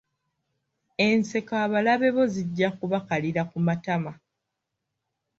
Enseko abalabe bo zijja kubakalira ku matama.